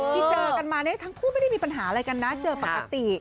ที่เจอกันมาเนี่ยทั้งคู่ไม่ได้มีปัญหาอะไรกันนะเจอปกติ